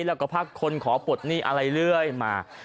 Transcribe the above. แล้วก็พักคนขอปลดหนี้อะไรเรื่อยมา